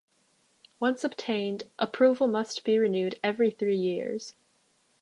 Once obtained, approval must be renewed every three years.